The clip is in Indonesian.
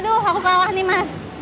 aduh aku kalah nih mas